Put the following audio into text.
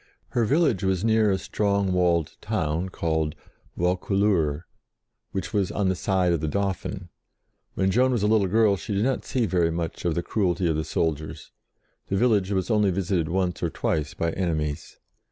Her village was near a strong walled town called Vaucouleurs, which was on the side of the Dauphin. When Joan was 6 JOAN OF ARC a little girl she did not see very much of the cruelty of the soldiers; the village was only visited once or twice by enemies.